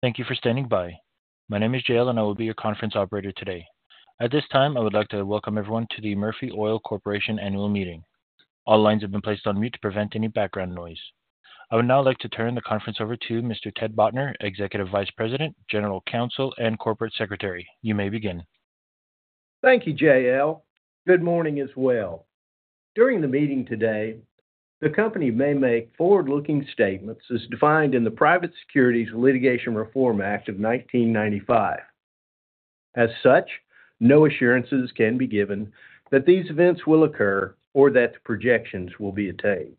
Thank you for standing by. My name is Jale, and I will be your conference operator today. At this time, I would like to welcome everyone to the Murphy Oil Corporation annual meeting. All lines have been placed on mute to prevent any background noise. I would now like to turn the conference over to Mr. Ted Botner, Executive Vice President, General Counsel, and Corporate Secretary. You may begin. Thank you, Jale. Good morning as well. During the meeting today, the company may make forward-looking statements as defined in the Private Securities Litigation Reform Act of 1995. As such, no assurances can be given that these events will occur or that projections will be attained.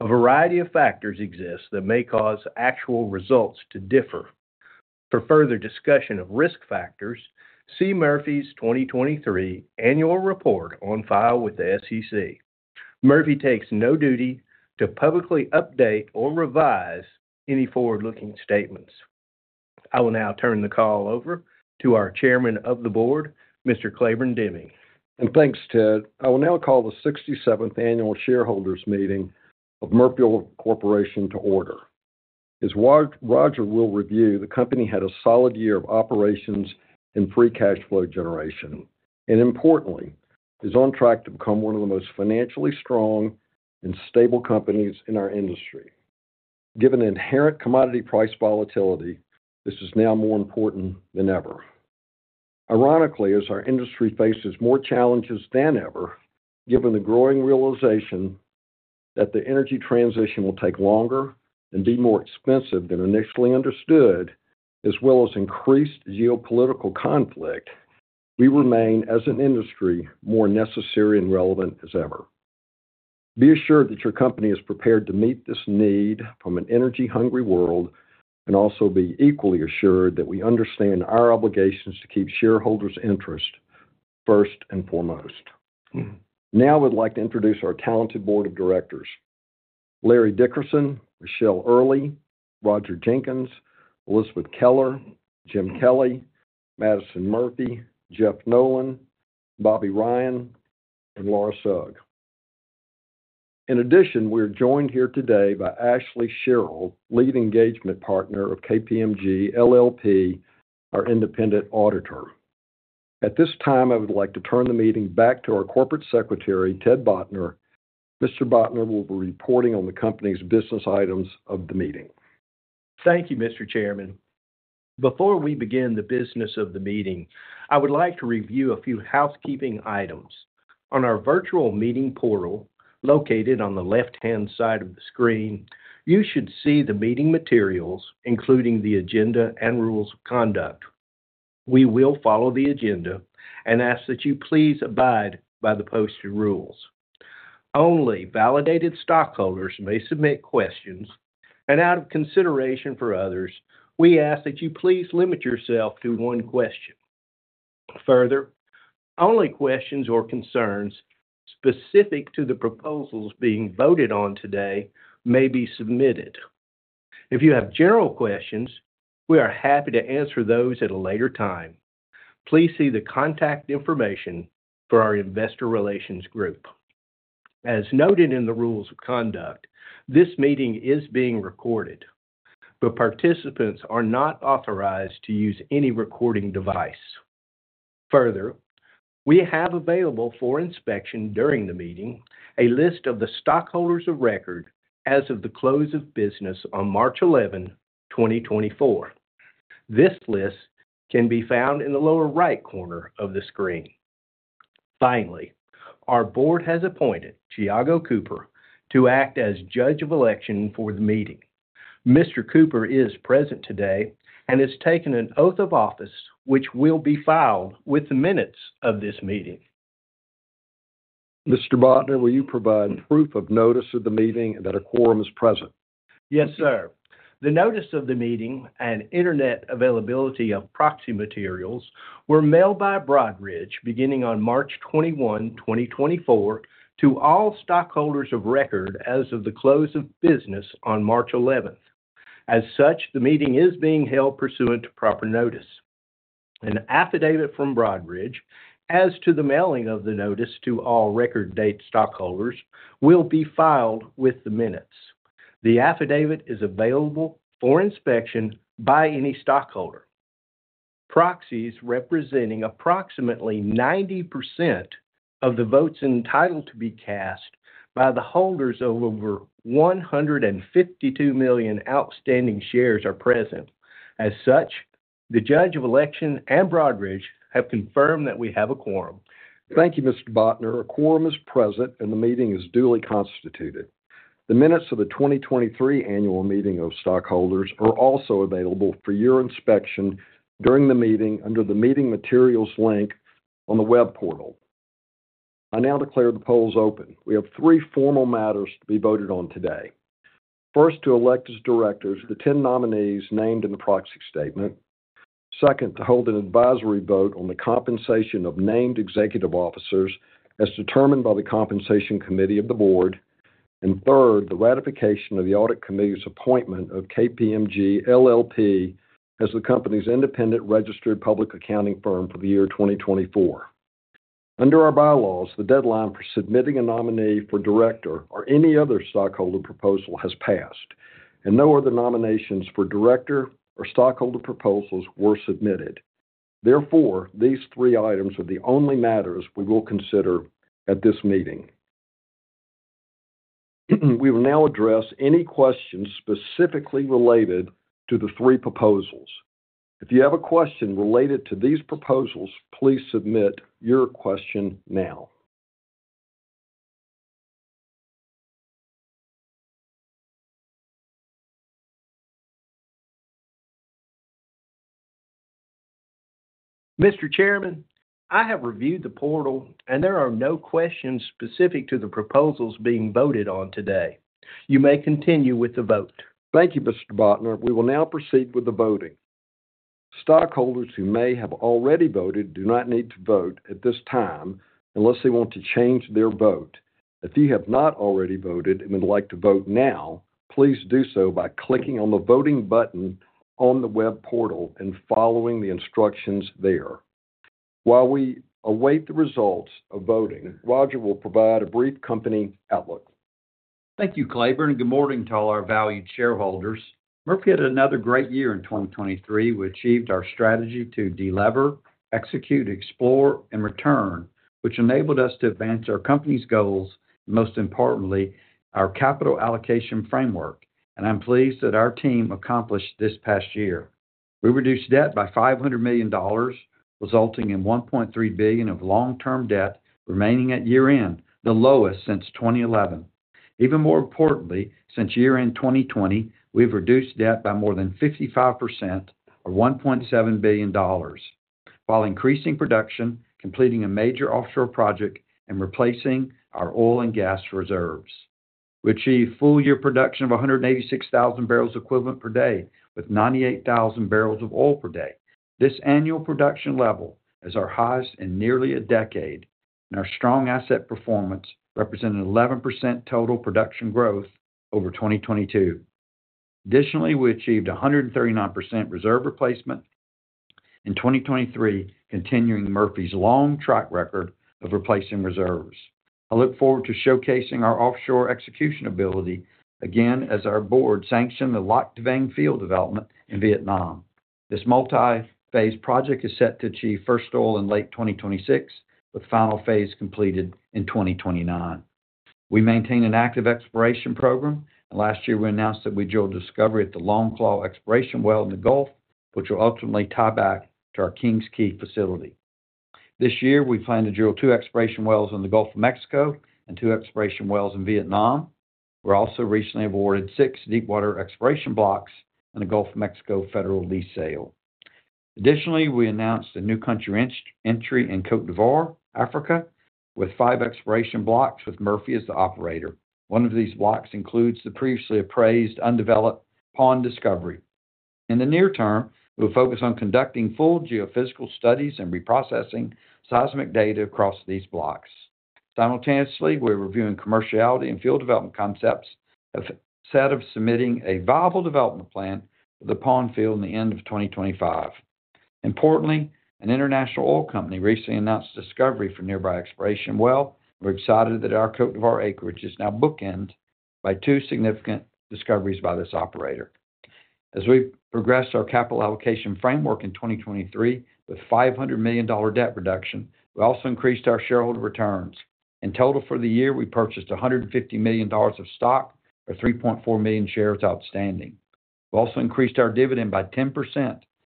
A variety of factors exist that may cause actual results to differ. For further discussion of risk factors, see Murphy's 2023 annual report on file with the SEC. Murphy takes no duty to publicly update or revise any forward-looking statements. I will now turn the call over to our Chairman of the Board, Mr. Claiborne Deming. Thanks, Ted. I will now call the 67th Annual Shareholders Meeting of Murphy Oil Corporation to order. As Roger will review, the company had a solid year of operations and free cash flow generation, and importantly, is on track to become one of the most financially strong and stable companies in our industry. Given inherent commodity price volatility, this is now more important than ever. Ironically, as our industry faces more challenges than ever, given the growing realization that the energy transition will take longer and be more expensive than initially understood, as well as increased geopolitical conflict, we remain, as an industry, more necessary and relevant as ever. Be assured that your company is prepared to meet this need from an energy-hungry world and also be equally assured that we understand our obligations to keep shareholders' interests first and foremost. Now I would like to introduce our talented board of directors: Larry Dickerson, Michelle Earley, Roger Jenkins, Elisabeth Keller, Jim Kelly, Madison Murphy, Jeff Nolan, Bobby Ryan, and Laura Sugg. In addition, we are joined here today by Ashleigh Sherrill, lead engagement partner of KPMG LLP, our independent auditor. At this time, I would like to turn the meeting back to our Corporate Secretary, Ted Botner. Mr. Botner will be reporting on the company's business items of the meeting. Thank you, Mr. Chairman. Before we begin the business of the meeting, I would like to review a few housekeeping items. On our virtual meeting portal located on the left-hand side of the screen, you should see the meeting materials, including the agenda and rules of conduct. We will follow the agenda and ask that you please abide by the posted rules. Only validated stockholders may submit questions, and out of consideration for others, we ask that you please limit yourself to one question. Further, only questions or concerns specific to the proposals being voted on today may be submitted. If you have general questions, we are happy to answer those at a later time. Please see the contact information for our investor relations group. As noted in the rules of conduct, this meeting is being recorded, but participants are not authorized to use any recording device. Further, we have available for inspection during the meeting a list of the stockholders of record as of the close of business on March 11, 2024. This list can be found in the lower right corner of the screen. Finally, our board has appointed Thiago Cooper to act as judge of election for the meeting. Mr. Cooper is present today and has taken an oath of office, which will be filed with the minutes of this meeting. Mr. Botner, will you provide proof of notice of the meeting and that a quorum is present? Yes, sir. The notice of the meeting and internet availability of proxy materials were mailed by Broadridge beginning on March 21, 2024, to all stockholders of record as of the close of business on March 11th. As such, the meeting is being held pursuant to proper notice. An affidavit from Broadridge as to the mailing of the notice to all record-date stockholders will be filed with the minutes. The affidavit is available for inspection by any stockholder. Proxies representing approximately 90% of the votes entitled to be cast by the holders of over 152 million outstanding shares are present. As such, the judge of election and Broadridge have confirmed that we have a quorum. Thank you, Mr. Botner. A quorum is present, and the meeting is duly constituted. The minutes of the 2023 annual meeting of stockholders are also available for your inspection during the meeting under the meeting materials link on the web portal. I now declare the polls open. We have three formal matters to be voted on today. First, to elect as directors the 10 nominees named in the proxy statement. Second, to hold an advisory vote on the compensation of named executive officers as determined by the compensation committee of the board. And third, the ratification of the audit committee's appointment of KPMG LLP as the company's independent registered public accounting firm for the year 2024. Under our bylaws, the deadline for submitting a nominee for director or any other stockholder proposal has passed, and no other nominations for director or stockholder proposals were submitted. Therefore, these three items are the only matters we will consider at this meeting. We will now address any questions specifically related to the three proposals. If you have a question related to these proposals, please submit your question now. Mr. Chairman, I have reviewed the portal, and there are no questions specific to the proposals being voted on today. You may continue with the vote. Thank you, Mr. Botner. We will now proceed with the voting. Stockholders who may have already voted do not need to vote at this time unless they want to change their vote. If you have not already voted and would like to vote now, please do so by clicking on the voting button on the web portal and following the instructions there. While we await the results of voting, Roger will provide a brief company outlook. Thank you, Claiborne, and good morning to all our valued shareholders. Murphy had another great year in 2023. We achieved our strategy to delever, execute, explore, and return, which enabled us to advance our company's goals and, most importantly, our capital allocation framework. I'm pleased that our team accomplished this past year. We reduced debt by $500 million, resulting in $1.3 billion of long-term debt remaining at year-end, the lowest since 2011. Even more importantly, since year-end 2020, we've reduced debt by more than 55%, or $1.7 billion, while increasing production, completing a major offshore project, and replacing our oil and gas reserves. We achieved full-year production of 186,000 barrels equivalent per day, with 98,000 barrels of oil per day. This annual production level is our highest in nearly a decade, and our strong asset performance represented 11% total production growth over 2022. Additionally, we achieved 139% reserve replacement in 2023, continuing Murphy's long track record of replacing reserves. I look forward to showcasing our offshore execution ability again as our board sanctioned the Lac Da Vang field development in Vietnam. This multi-phase project is set to achieve first oil in late 2026, with final phase completed in 2029. We maintain an active exploration program, and last year we announced that we drilled discovery at the Longclaw exploration well in the Gulf, which will ultimately tie back to our King's Quay facility. This year, we plan to drill two exploration wells in the Gulf of Mexico and two exploration wells in Vietnam. We're also recently awarded six deepwater exploration blocks in the Gulf of Mexico federal lease sale. Additionally, we announced a new country entry in Côte d'Ivoire, Africa, with five exploration blocks with Murphy as the operator. One of these blocks includes the previously appraised undeveloped Paon discovery. In the near term, we will focus on conducting full geophysical studies and reprocessing seismic data across these blocks. Simultaneously, we are reviewing commerciality and field development concepts as a step to submitting a viable development plan for the Paon field by the end of 2025. Importantly, an international oil company recently announced a discovery in a nearby exploration well, and we're excited that our Côte d'Ivoire acreage is now bookended by two significant discoveries by this operator. As we progressed our capital allocation framework in 2023 with $500 million debt reduction, we also increased our shareholder returns. In total for the year, we purchased $150 million of stock, or 3.4 million shares outstanding. We also increased our dividend by 10%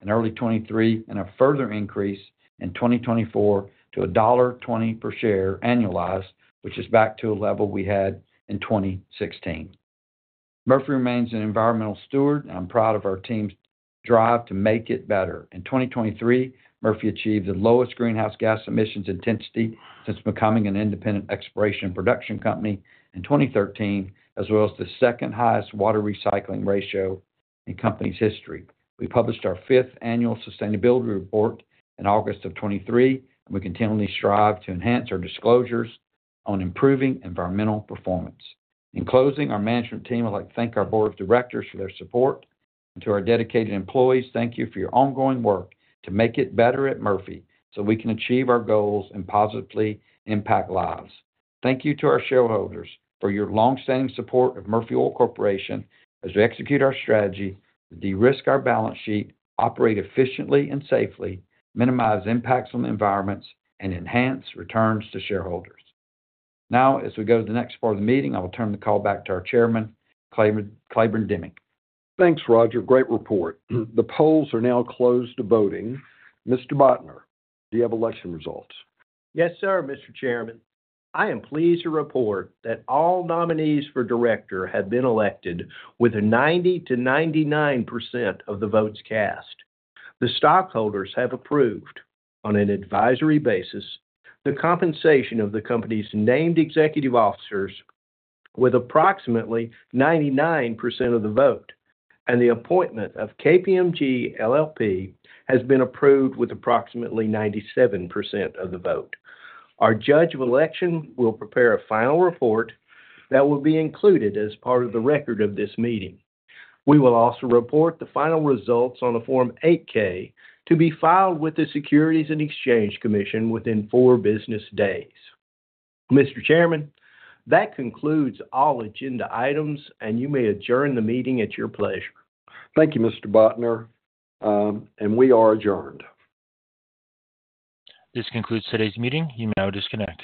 in early 2023 and a further increase in 2024 to $1.20 per share annualized, which is back to a level we had in 2016. Murphy remains an environmental steward, and I'm proud of our team's drive to make it better. In 2023, Murphy achieved the lowest greenhouse gas emissions intensity since becoming an independent exploration and production company in 2013, as well as the second highest water recycling ratio in the company's history. We published our fifth annual sustainability report in August of 2023, and we continually strive to enhance our disclosures on improving environmental performance. In closing, our management team would like to thank our board of directors for their support and to our dedicated employees. Thank you for your ongoing work to make it better at Murphy so we can achieve our goals and positively impact lives. Thank you to our shareholders for your longstanding support of Murphy Oil Corporation as we execute our strategy to de-risk our balance sheet, operate efficiently and safely, minimize impacts on the environments, and enhance returns to shareholders. Now, as we go to the next part of the meeting, I will turn the call back to our Chairman, Claiborne Deming. Thanks, Roger. Great report. The polls are now closed to voting. Mr. Botner, do you have election results? Yes, sir, Mr. Chairman. I am pleased to report that all nominees for director have been elected with a 90%-99% of the votes cast. The stockholders have approved, on an advisory basis, the compensation of the company's named executive officers with approximately 99% of the vote, and the appointment of KPMG LLP has been approved with approximately 97% of the vote. Our judge of election will prepare a final report that will be included as part of the record of this meeting. We will also report the final results on a Form 8-K to be filed with the Securities and Exchange Commission within four business days. Mr. Chairman, that concludes all agenda items, and you may adjourn the meeting at your pleasure. Thank you, Mr. Botner, and we are adjourned. This concludes today's meeting. You may now disconnect.